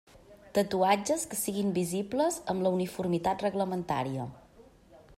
Tatuatges que siguin visibles amb la uniformitat reglamentària.